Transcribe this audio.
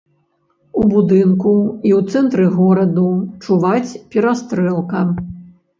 У будынку і ў цэнтры гораду чуваць перастрэлка.